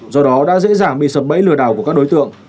do đó đã dễ dàng bị sập bẫy lừa đảo của các đối tượng